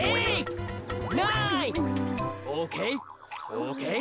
オーケー？